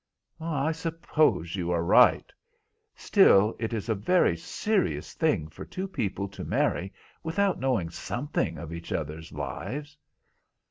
"I suppose you are right. Still, it is a very serious thing for two people to marry without knowing something of each other's lives."